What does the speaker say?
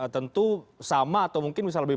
tentu sama atau mungkin bisa lebih